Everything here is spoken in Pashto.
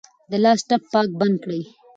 د لاس ټپ پاک بند کړئ.